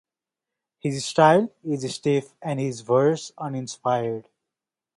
His style is stiff and his verse uninspired.